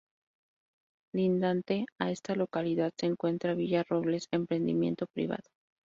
Lindante a esta localidad se encuentra Villa Robles, emprendimiento privado.